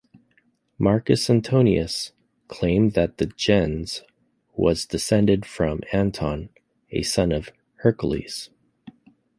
Marcus Antonius claimed that the "gens" was descended from Anton, a son of Heracles.